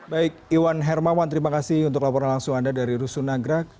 baik iwan hermawan terima kasih untuk laporan langsung anda dari rusunagrak